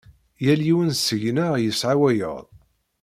Yal yiwen seg-neɣ yesɛa wayeḍ.